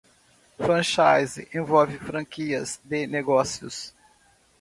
Franchise envolve franquias de negócios.